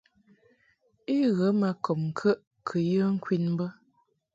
I ghə ma kɔb ŋkəʼ kɨ yə ŋkwin bə.